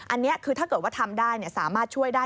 อันนี้คือถ้าเกิดว่าทำได้สามารถช่วยได้